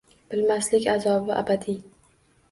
Bilmaslik azobi abadiy